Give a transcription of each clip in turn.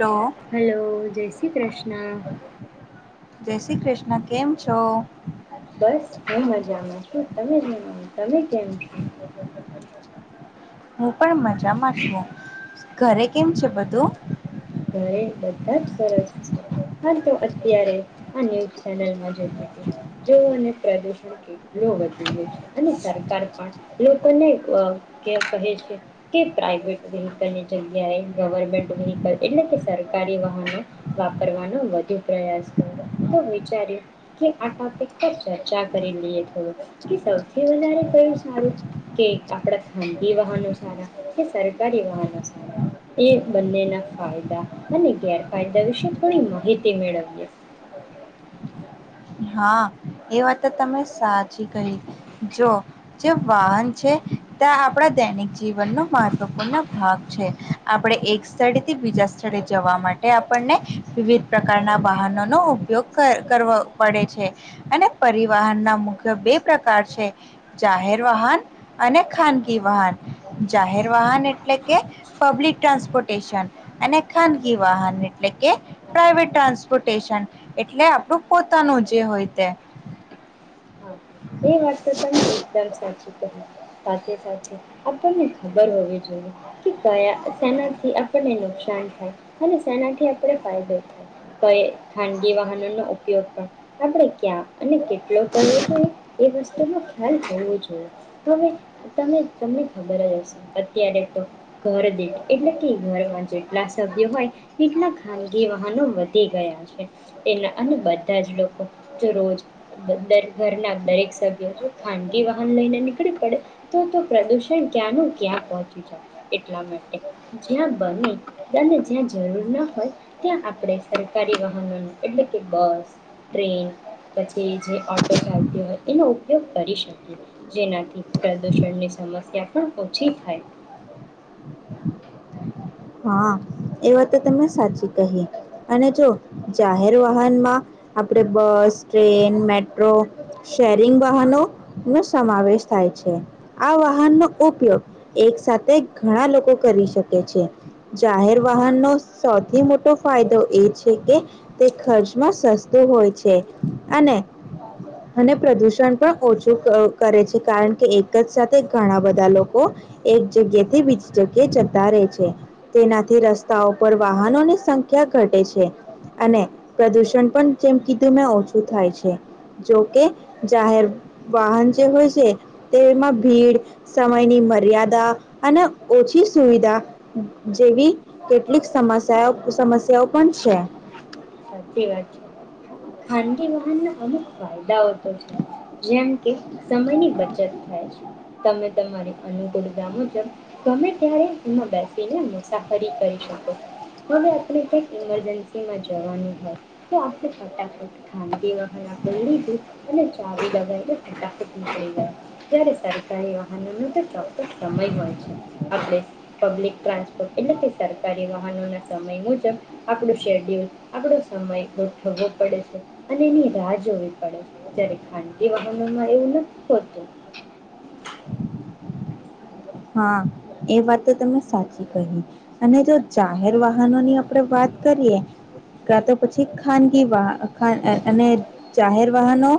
Hello hello, જય શ્રી કૃષ્ણ. જય શ્રી કૃષ્ણ, કેમ છો, બસ હું મજામાં છું, તમે જ તમે કેમ છો. હમ. પણ, મજામાં છું. ઘરે કેમ છે, બધું [unintelligible] ઘ બધા જ સરસ છે, આ તો અત્યારે આ ન્યૂઝ ચેનલમાં જતી જો અને પ્રદુષણ કેટલ વધી ગયો છે, અને સરકાર પણ લોકોને કહે છે, કે પ્રાઈવેટ વ્હકલની જગ્યાએ ગવર્મેન્ટ વ. એટલે કે સરકારી વાહનો, વાપરવાનો વધુ પ્રયાસ કર્યો તો વિચાર્યું કે આ ટોપિક પર ચર્ચા કરી લઈએ થડું, કે સૌથી વધારે કયું સારું કે આપણા ખાનગી વાહનો સારા કે સરકારી વાહનો સારા, એ બંનેના. ફાયદા અને ગેરફાયદા વિશે થણી, માહિતી મેળવીએ. [unintelligible] હા, એ વાત તમે સાચી કહી, જો જે વાહન છે, ત્યાં આપડા દૈનિક છે. જીવનનો, મહત્વપૂર્ણ ભાગ છે. આપણે એક સ્થળેથી બીજા સ્થળે જવા, માટે આપણને વિવિધ પ્રકારના વાહનોનોો ઉપયોગ, કરવા. [unintelligible] પડે છે, અને પરિવહનના મુખ્ય બે પ્રકાર છે, જાહેર વાહન અને ખાનગી વાહન જાહેર વાહન એટલે, કે પબ્લિક ટ્રાન્સપોર્ટેશન અને ખાનગી વાહન એટલે કે પ્રાઈવેટ, ટ્રાન્સપોર્ટેશન એટલે આપણું. પોતાનું, જે હોય તે [unintelligible] હા એ વાત, તો તમે એકદમ સાચી કહી. સાથે સાથે આપણને ખબર હોવી, જોઈએ કે કયા શેનાથી આપણને નુકસાન થાય અને શેનાથી આપણે ફાયદો થાય કઈ, ખાનગી વાહનોનોો ઉપયોગ પણ આપણે ક્યાં અને કેટલો કરવો જોઈએ. વો જોઈએ હવે તમે તમને ખબર જ હશે અત્યારે તો ઘરદીીઠ એટલે કે ઘરમાં જેટલા સભ્યો હોય એટલા ખાનગી વાહનો વધી ગયા છે, તેના અને બધા જ લોકો જો રોજ દ ઘરના દરેક. સભ ખાનગી વાહન લઈને નીકળી, પડે તો તો પ્રદૂષણ ક્યાંનું ક્યાં પહોંચી જાય, એટલા માટે જ્યાં બની અને જ્યાં જરૂર ના હોય, ત્યાં આપણે સરકારી વાહનોનું એટલે કે બસ ટ્રેન પછી જે ઓટો ચાલતી હોય. એનો ઉપયોગ કરી શકીએ જેનાથી, પ્રદૂષણની સમસ્યા પણ ઓછી થાય. [unintelligible] હા, એ વા તો તમે સાચી કહી અને જો જાહેર વાહનમાં આપણે બસ ટ્રેન મેટ્રો શેરિંગ વાહનો નો સમાવેશ થાય છે, આ વાહનનોો ઉપયોગ એક સાથે ઘણા લોકો કરી શકે છે. જાહેર વાહનનો સૌથી મોટો ફાયદો એ છે, કે તે ખર્ચમાં સસ્તું હોય છે, અને અને પ્રદુષણ પણ ઓછું કરે છે, કારણ કે એક જ સાથે ઘણા બધા લોકો એક જગ્યા થી બીજી જગ્યા જતા રહે છે. તેનાથી રસ્તાઓ પર વાહનોની સંખ્યા ઘટે છે, અને પ્રદુષણ પણ જેમ કીધું મે ઓછું થાય છે, જોકે જાહેર વાહન જે હોય છે, તેમાં ભીડ સમયની મર્યાદા અને ઓછી સુવિધા. જેવી કેટલીક સમસ્યા, સમસ્યાઓ પણ છે. સાચી વાત છે, ખાનગી વાહન ના અમુક ફાયદાઓ. જેમ કે સમયની બચત, થાય છે. તમે તમારી અનુકૂળતા મુજબ ગમે ત્યારે એમાં બેસીને મુસાફરી કરી શકો છો, હવે આપણે ક્યાક ઇમરજન્સીમાં. હો, તો આપણે ફટાફટ ખાનગી વાહન આપણે લીધું અને ચાવી લગાવીને ફટાફટ નીકળી ગયા જ્યારે સરકારી વાહનોનો તો ચોક્કસ સમય હોય છે, આપણે પબ્લિક ટ્રાન્સપોર્ટ એટલે કે સરકારી વાહનો ના સમય મુજબ આપણું શેડ્યુલ. આપણો સમય ગોઠવવો પડે છે અને એની રાહ જોવી પડે છે જ્યારે ખાનગી વાહનોમાં એવું નથી હોતું. હા એ વાત તો તમે સાચી કહી અને જો જાહેર વાહનો ની આપણે વાત કરીએ ક તો પછી ખાનગી વા અને જાહેર વાહનો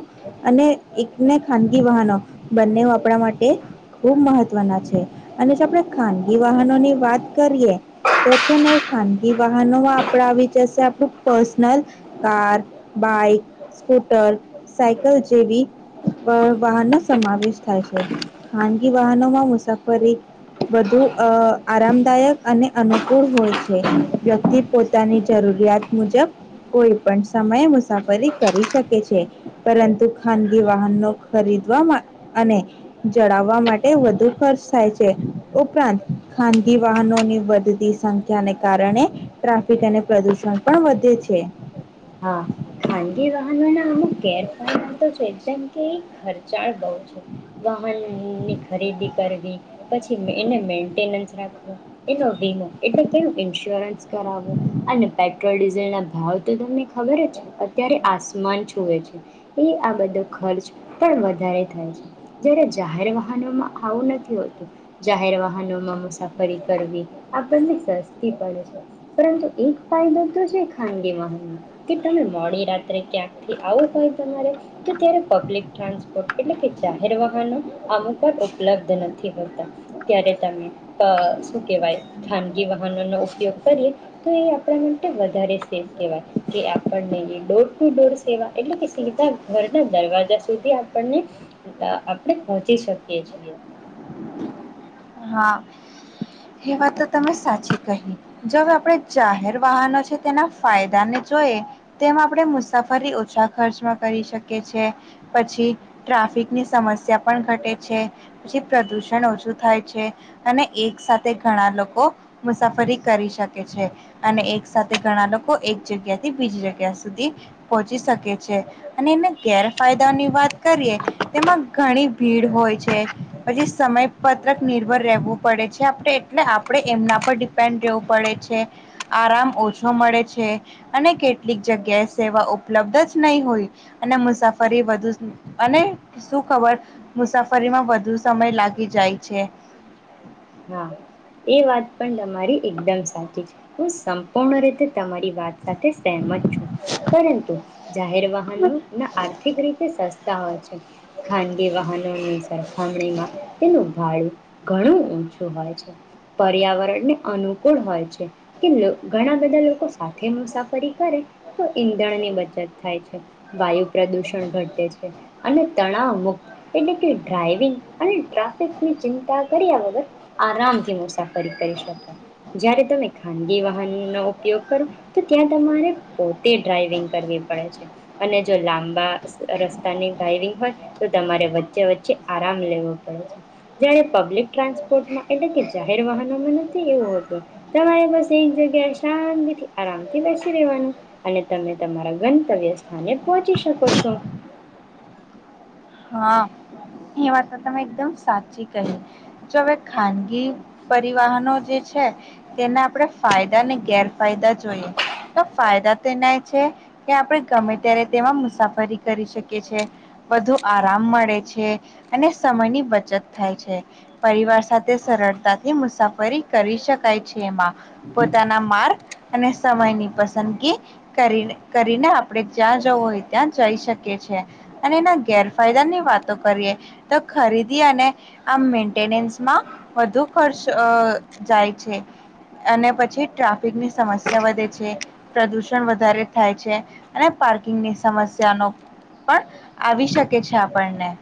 અને એકને ખાનગી વાહનો બંને આપણા માટે ખૂબ મહત્વના છે. ખાનગી વાહનોની વાત કરીએ તો છે ને ખાનગી વાહનોમાં આપ આવીચશે આપણું personal car bike scooter cycle જેવી વાહનોનો સમાવેશ થાય છે ખાનગી વાહનોમાં મુસાફ વધુ અ આરામદાયક અને અનુકૂળ હોય છે વ્યક્તિ પોતાની જરૂરિયાત મુજબ કોઈ પણ સમયે મુસાફરી કરી શકે છે પરંતુ ખાનગી વાહનો ખરીદવા અને જડાવવા માટે વધુ ખર્ચ થાય છે ઉપરાંત ખાનગી વાહનોની વધતી સંખ્યાને કારણે ટ્રાફિક અને પ્રદુષણ પણ વધે છે. હા ખાનગી વાહનોના અમુક ગેરફાયદા તો છે એમ. કે ખર્ચાળ બહુ વાહન ની ખરીદી કરવી પછી એને મેન્ટેનખ એનો વીમો એટલે તેનું ઇન્સ્યોરન્સ કરાવો અને પેટ્રોલ ડીઝલ ના ભાવ તો તમને અત્યારે આસમાન છુવે છે એ આ બધો ખર્ચ પણ વધારે થાય છે જય્યારે જાહેર વાહનોમાં આવું નથી હોતું જાહેર વાહનોમાં મુસાફરી કરવી આપણને સસ્તી પડે છે પરંતુ એક ફાયદો તો છે ખાનગી વાહનો. કે તમે મોડી રાત્રે ક્યાંકથી આવો હોય તમારે તો ત્યારે પબ્લિક ટ્રાન્સપોર્ટ એટલે કે જાહેર વાહનો અમુક વા ઉપલબ્ધ નથી હોતા ત્યારે તમે શું કહેવાય ખાનગી વાહનોનો ઉપયોગ કરીએ તો એ આપણા માટે વધારે સેફ કહેવાય. કે આપણને ડોર ટુ ડોર સેવા એટલે કે સીધા ઘરના દરવાજા સુધી આપણને આપણે પહોંચી શકીએ છીએ. હા એ વાત તો તમે સાચી કહી જોવે આપણે જાહેર વાહનો છે તેના ફાયદા ને જોઈએ તેમ આપણે મુસાફરી ઓછા ખર્ચમાં કરી શકીએ છે પછી ટ્રાફિકની સમસ્યા પણ ઘટે છે પછી પ્રદુષણ ઓછું થાય. અને એક સાથે ઘણા લોકો મુસાફરી કરી શકે છે અને એક સાથે ઘણા લોકો એક જગ્યા થી બીજી જગ્યા સુધી પહોંચી શકે છે અને એને ગેરફાયદાની વાત કરીએ તેમાં ઘણી ભીડ હોય છે પછી સમય ક નિર્ભર રહેવું પડે છે આપણે એટલે આપણે એમના પર ડિપેન્ડ રહેવું પડે છે આરામ ઓછો મળે છે અને કેટલીક જગ્યાએ સેવા ઉપલબ્ધ જ નહીં હોય અને મુસાફરી વધુ અને શું ખબર મુસાફરીમાં વધુ સમય લાગી જાય. છે. હા એ વાત પણ તમારી એકદમ સાચી છે હ સંપૂર્ણ રીતે રી વાત સાથે સમત છ પરંતુ જાહેર વાહનો ના આર્થિક રીતે વા છે ખાનગ વાહન સરખામણીમાં તેનું ભાડું ઘણું ઊંચું પર્યાવરણને અનુકૂળ હોય છે કે ઘણા બધા લોકો સાથે મુસાફરી કરે તો ઈંધણની બચત થાય છે વાયુ પ્રદુષણ ઘટે છે અને તણાવ મુક્ત એટલે કે ડ્રાઈવિંગ અને ટ્રાફિકની ચિંતા કર્યા વગર આરામથી મુસાફરી કરી શકો જ્યારે તમે ખાનગી વાહનનો ઉપયોગ કરો તો ત્યાં તમારે પોતે ડ્રાઈવિંગ કરવી પડે છે અને જો લાંબા રસ્તાની ડ્રાાઈવિંગ હોય તો તમારે વચ્ચે વચ્ચે આરામ લેવો પડે છે જ્યારે પબ્લિક ટ્રાન્સપોર્ટમાં એટલે કે જાહેર વાહનોમાં નથી એવું હતું તમારે બસ એક જગ્યાએ શાંતિથી આરામથી બેસી રહેેવાનું અને તમે તમારા ગંતવ્ય સ્થાને પહોચી શકો છો. હા એ વાત તમે એકદમ સાચી કહી જો હવે ખાનગી પરિવહનો જે છે તેના આપણે ફાયદા ને ગેરફાયદા જોઈએ તો ફાયદા તો એનાય છે કે આપણે ગમે ત્યારે તેમાં મુસાફરી કરી શકીએ છે બુ આરામ મળે છે અને સમયની બચત થાય છે પરિવાર સાથે સરળતાથી મુસાફરી કરી શકાય છે એમાં પોતાના માર્ગ અને સમયની પસંદગી કરી કરીને આપણે જ્યાં જવું હોય ત્યાં જઈ શકીએ છી અને એના ગેર ફાયદાની વાતો કરીએ તો ખરીદી અને આમ મેન્ટેનન્સમાં વધુ ખર્ચ જાય છે અને પછી ટ્રાફિકની સમસ્યા વધે છે પ્રદુષણ વધારે થાય છે અને પાર્કિંગની સમસ્યાનો પણ આવી શકે. કે છે આપણને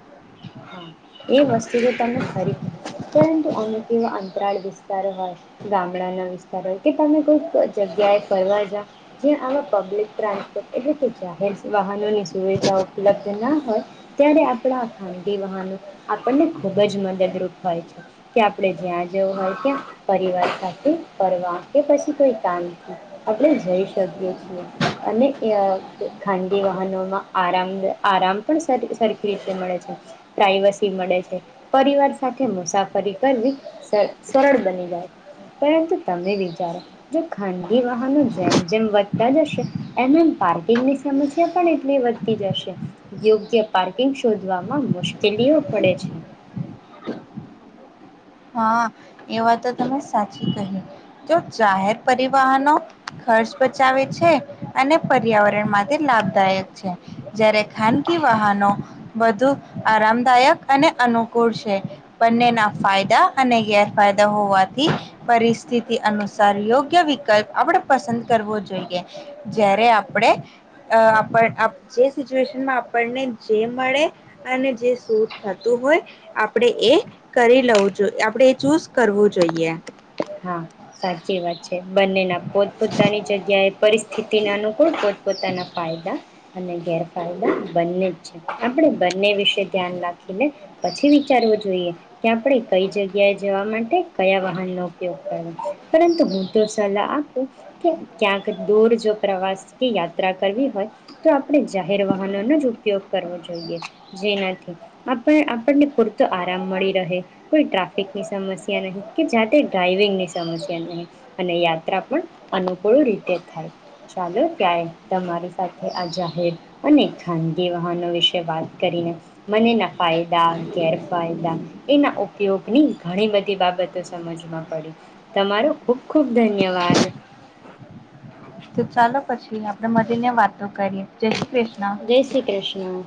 હા એ વસ્તુ તો તમે ફરી પ પરંતુ અમુક એવા અંતરાળ વિસ્તારો હોય ગામડાના વિસ્તારો હોય કે તમે કોઈક જગ્યાએ ફરવા જઓ જ્યાં આવા પબ્લિક ટ્રાન્સપોર્ટ એટલે જાહેર વાહનોને સુવિધા ઉપલબ્ધ ના હોય ત્યારે આપણા ખા આપને ખૂબ જ મદદરૂપ હોય છે કે આપણે જ્યાં જવું હોય ત્યાં પરિવાર સાથે ફ કે પછી કોઈ કામથી આપણે જઈ શકીએ છીએ અને ખાનગી વાહનોમાં આરામ આરામ પણ સરખી રીતે મળે છે. પ્રાઈવસી મળે છે પરિવાર સાથે મુસાફરી કરવી સરળ બની જાય છે પરંતુ તમે વિચારો જો ખાનગી વાહનો જેમ જેમ વધતા જશે એમ એમ પાર્કિંગની સમસ્યા પણ એટલી વધતી જશે યોગ્ય પાર્કિંગ શોધવામાં મુશ તે લેવો પડે છે. હા એ વા તો તમે સાચી કહી તો જાહેર પરિવહનો ખર્ચ બચાવે છે અને પર્યાવરણ માટે લાભદાયક છે જારે ખાનગી વાહનો વધુ આરામદાયક અને અનુકૂળ છે બંનેના ફાયદા અને ગેરફાયદા હોવાથી પરિસ્થિતિ અનુસાર યોગ્ય વિકલ્પ આપણે પસંદ કરવો જોઈએ જ્યારે આપણે જે સિચ્યુએશનમાં આપણને જે મળે અને જે શધ થતું હોય આપણે એ કરી લવું. આપણે એ ચૂઝ કરવું જોઈએ. હા સાચી વાત છે. બંનેના પોતપ પોતાની જગ્યા એ પરિસ્થિતિ તેના અનુકૂળ પોતપોતાના ફાયદા અને ગેરફાયદા બંને જ છે આપણે બંને વિશે ધ્યાન રાખીને પછી વિચારવું જોઈએ કે આપણે કઈ જગ્યાએ જવા માટે કયા વાહનનો પરંતુ હું તો સલાહ આપું કે ક્યાંક દૂર જો પ્રવાસ કે યાત્રા કરવી હોય તો આપણે જાહેર વાહનોનો જ ઉપયોગ કરવો જોઈએ જેનાથી આપ આપણને પૂરતો આરામ મળી રહે કોઈ ટ્રાફિકની સમસ્યા નહી કે જાતે ડ્રાાઈવિંગની સમસ્યા નહી અને યાત્રા પણ અનુકૂળ રીતે થાય ચાલો ત્યારે તમારી સાથે આ જાહેર અને ખાનગી વાહનો વિશે વાત કરીને મનેના ફાયદા ગેરફાયદા એના ઉપયોગની ઘણી બધી બાબતો સમજવામાં પડી. તમારો ખુબ ખુબ ધન્યવાદ. તો ચાલો પછી આપણે મલીને વાતો કરીએ. જે શ્રી કૃષ્ણ. જય શ્રી કૃષ્ણા.